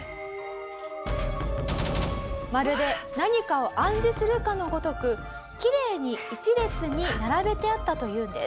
まるで何かを暗示するかのごとくきれいに一列に並べてあったというんです。